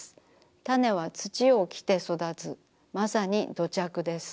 種は土を着て育つまさに土着です。